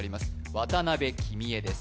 渡辺公恵です